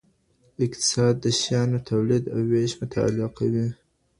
اقتصاد د شيانو توليد او ويش مطالعه کوي.